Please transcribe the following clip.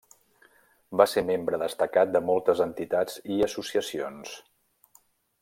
Va ser membre destacat de moltes entitats i associacions.